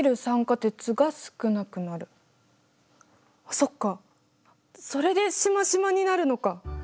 そっかそれでしましまになるのか！